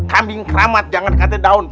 kambing keramat jangan katanya daun